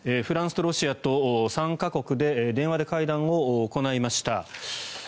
フランスとロシアと３か国で電話で会談を行いました。